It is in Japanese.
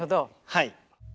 はい。